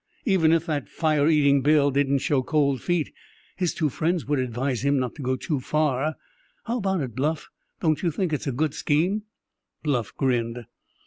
Even if that fire eating Bill didn't show cold feet, his two friends would advise him not to go too far. How about it, Bluff; don't you think it's a good scheme?" Bluff grinned.